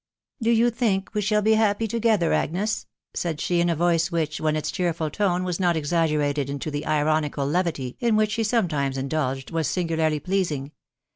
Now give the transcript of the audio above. " Do you think we shall be happy together,. Agnes ?" said she, in a voice which, when its cheerful tone was not exag gerated into the ironieal levity in which she sometimes indulged, was singularly pleasing.